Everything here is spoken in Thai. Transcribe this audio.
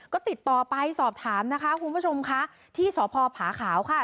ก็ติดต่อไปสอบถามนะคะคุณผู้ชมค่ะที่สพผาขาวค่ะ